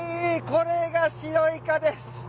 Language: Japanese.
これが白イカです。